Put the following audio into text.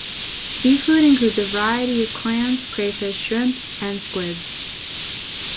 Seafood includes a variety of clams, crayfish, shrimps and squids.